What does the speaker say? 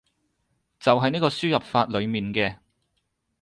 就係呢個輸入法裏面嘅